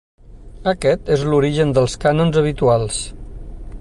Aquest és l'origen dels cànons habituals.